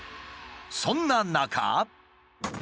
そんな中。